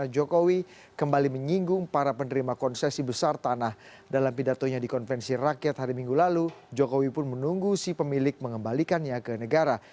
jokowi menunggu pemilik mengembalikannya ke negara